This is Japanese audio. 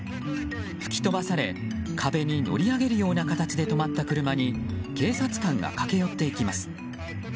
吹き飛ばされ壁に乗り上げるような形で止まった車に警察官が駆け寄っていきます。